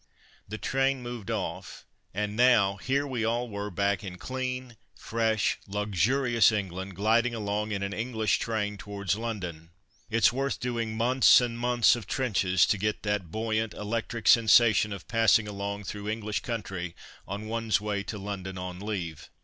The train moved off, and now here we all were back in clean, fresh, luxurious England, gliding along in an English train towards London. It's worth doing months and months of trenches to get that buoyant, electrical sensation of passing along through English country on one's way to London on leave.